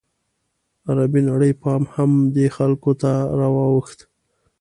عربي نړۍ پام هم دې خلکو ته راواوښت.